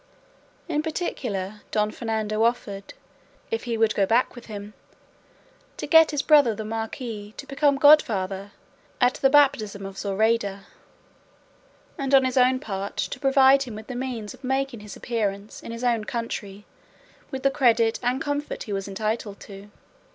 In particular Don Fernando offered, if he would go back with him, to get his brother the marquis to become godfather at the baptism of Zoraida, and on his own part to provide him with the means of making his appearance in his own country with the credit and comfort he was entitled to.